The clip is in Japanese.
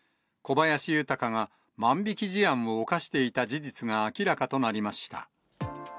小林豊が万引き事案を犯していた事実が明らかとなりました。